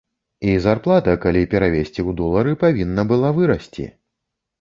І зарплата, калі перавесці ў долары, павінна была вырасці.